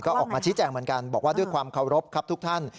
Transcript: ก็ออกมาชี้แจงเหมือนกันบอกว่าด้วยความเคารพครับทุกท่าน